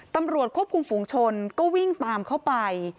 ตำรวจควบคุมฝูงชนก็วิ่งตามเข้าไป